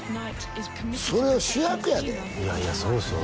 それを主役やでいやいやそうですよ